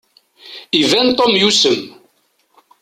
Iban Tom yusem.